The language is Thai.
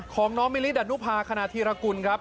ของน้องมิลิดานุภาคณฑีรกุลครับ